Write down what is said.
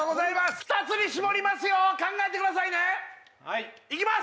２つに絞りますよ考えてくださいねいきます